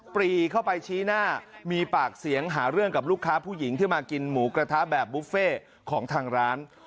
ปรีเข้าไปชี้หน้ามีปากเสียงหาเรื่องกับลูกค้าผู้หญิงที่มากินหมูกระทะแบบบุฟเฟ่ของทางร้าน